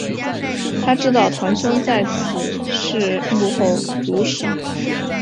她知道堂兄在此事幕后主使。